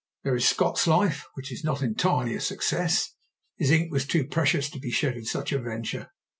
There is Scott's life, which is not entirely a success. His ink was too precious to be shed in such a venture.